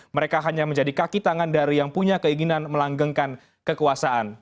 mereka hanya menjadi kaki tangan dari yang punya keinginan melanggengkan kekuasaan